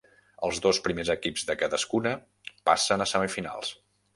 Els dos primers equips de cadascuna passen a semifinals.